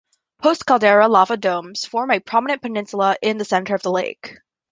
Postcaldera lava domes form a prominent peninsula in the center of the lake.